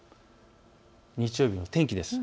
日曜日の天気です。